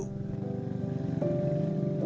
memang penuh liku